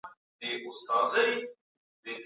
د ټکر په وخت کي سياست غيري سوله ييز وي.